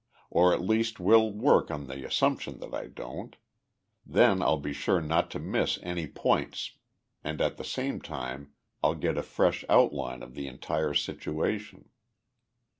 "Or at least we'll work on the assumption that I don't. Then I'll be sure not to miss any points and at the same time I'll get a fresh outline of the entire situation."